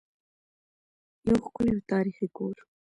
یو ښکلی او تاریخي کور.